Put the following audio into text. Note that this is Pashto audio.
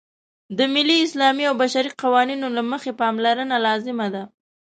د ملي، اسلامي او بشري قوانینو له مخې پاملرنه لازمه ده.